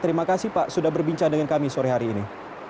terima kasih pak sudah berbincang dengan kami sore hari ini